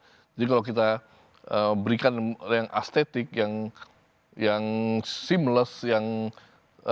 jadi kalau kita berikan yang aesthetic yang seamless yang artistic